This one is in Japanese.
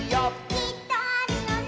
「きっとあるよね」